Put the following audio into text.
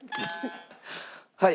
はい。